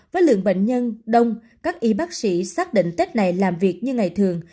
với lượng bệnh nhân đông các y bác sĩ xác định tết này làm việc như ngày thường